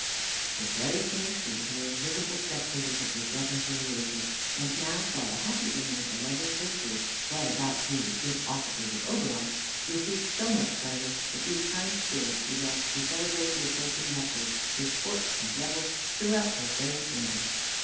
The fairy king and queen, who were invisible spectators of this reconciliation, and now saw the happy ending of the lovers' history, brought about through the good offices of Oberon, received so much pleasure, that these kind spirits resolved to celebrate the approaching nuptials with sports and revels throughout their fairy kingdom.